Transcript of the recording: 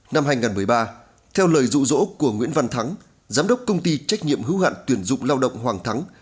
năm hai nghìn một mươi ba theo lời rụ rỗ của nguyễn văn thắng giám đốc công ty trách nhiệm hữu hạn tuyển dụng lao động hoàng thắng